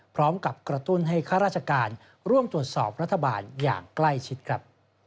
พร้อมกับกระตุ้นให้ข้าราชการร่วมตรวจสอบรัฐบาลอย่างใกล้ชิดครับ